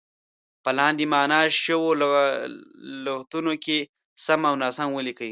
په لاندې معنا شوو لغتونو کې سم او ناسم ولیکئ.